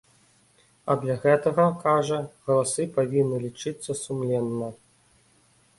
А для гэтага, кажа, галасы павінны лічыцца сумленна.